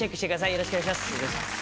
よろしくお願いします。